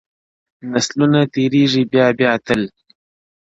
نسلونه تېرېږي بيا بيا تل,